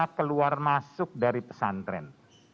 mereka keluar masuk dari pesantren